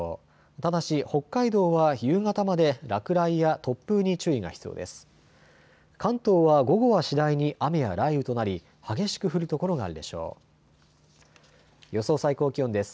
ただし北海道は夕方まで落雷や突風に注意が必要です。